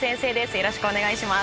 よろしくお願いします。